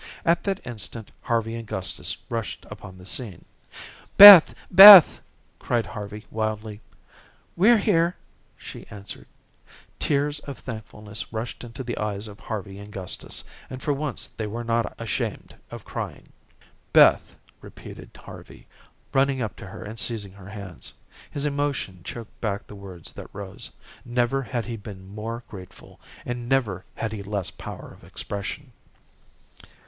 At that instant Harvey and Gustus rushed upon the scene. "Beth, Beth," cried Harvey wildly. "We're here," she answered. Tears of thankfulness rushed into the eyes of Harvey and Gustus, and for once they were not ashamed of crying. "Beth," repeated Harvey, running up to her and seizing her hands. His emotion choked back the words that rose. Never had he been more grateful, and never had he less power of expression.